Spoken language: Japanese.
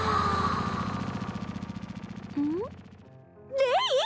レイ！？